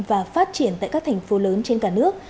và phát triển tại các thành phố lớn trên cả nước